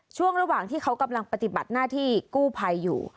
ช่วงระหว่างที่เขากำลังปฏิบัติหน้าที่กู้ภัยอยู่